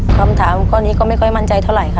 คำถามข้อนี้ก็ไม่ค่อยมั่นใจเท่าไหร่ค่ะ